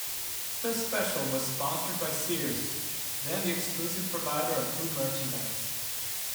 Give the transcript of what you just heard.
The special was sponsored by Sears, then the exclusive provider of Pooh merchandise.